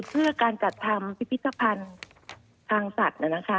เพื่อการจัดทำพิพิธภัณฑ์ทางสัตว์